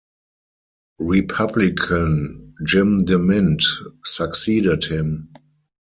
Republican Jim DeMint succeeded him.